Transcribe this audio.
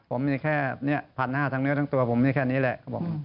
ผมมีแค่๑๕๐๐ทั้งเนื้อทั้งตัวผมมีแค่นี้แหละ